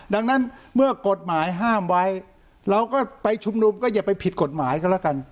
ดังนั้นเมื่อกฎหมายห้ามไว้เราก็ไปชุมนุมก็อย่าไปผิดกฎหมายก็แล้วกัน